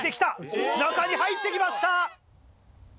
中に入って来ました！